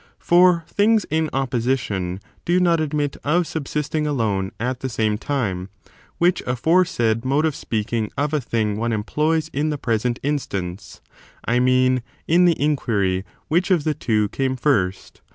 For things in opposition do not admit of subsisting alone at the same time ; wluch aforesaid mode of speaking of a thing one employs in the present instance, — I mean, in the inquiry, which of the two came first?